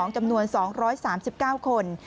จำนวน๒๓๙คน